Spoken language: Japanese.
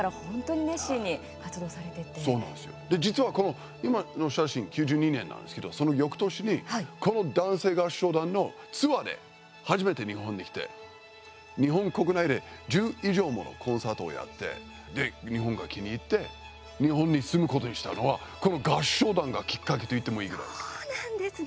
で、実はこの今の写真９２年なんですけどそのよくとしにこの男声合唱団のツアーで初めて日本に来て日本国内で１０以上ものコンサートをやってで、日本が気に入って日本に住むことにしたのはこの合唱団がきっかけと言ってもいいぐらい。